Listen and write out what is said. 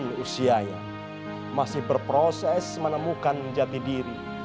masih berusia yang masih berproses menemukan jati diri